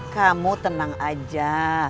kamu tenang aja